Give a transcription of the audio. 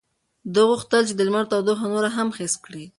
ده غوښتل چې د لمر تودوخه نوره هم حس کړي.